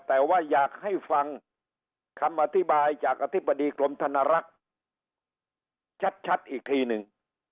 แต่ว่าอยากให้ฟังคำอธิบายจากอธิบดีกรมธนรักษ์ชัดอีกทีหนึ่ง